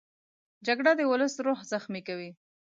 جګړه د ولس روح زخمي کوي